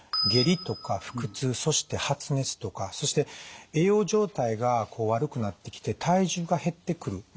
下痢とか腹痛そして発熱とかそして栄養状態が悪くなってきて体重が減ってくる。